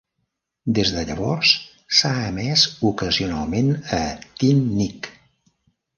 Des de llavors s'ha emès ocasionalment a TeenNick.